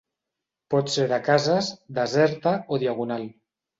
Pot ser de cases, deserta o Diagonal.